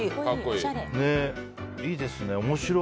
いいですね、面白い。